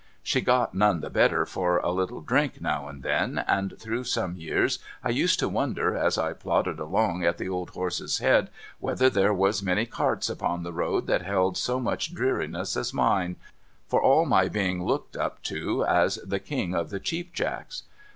She got none the better for a little drink now and then, and through some years I used to wonder, as I plodded along at the old horse's head, whether there \\as many carts upon the road that held so much dreariness as mine, for all my being looked up to as the King of the Cheap Jacks.